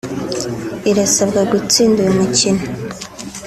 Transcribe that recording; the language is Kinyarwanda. irasabwa gutsinda uyu mukino